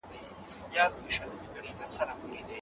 د درملو کمښت ولي رامنځته کیږي؟